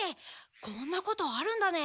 こんなことあるんだね。